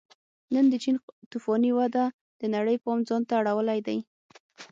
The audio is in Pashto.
نن د چین توفاني وده د نړۍ پام ځان ته اړولی دی